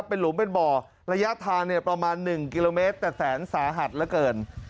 เป็นหลุมเป็นบ่อระยะทางประมาณ๑กิโลเมตรแต่แสนสาหัสเหลือเกิน